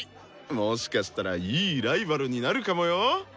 もしかしたらいいライバルになるかもよ。